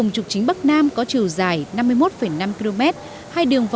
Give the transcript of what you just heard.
sức trở năm sáu tỷ đồng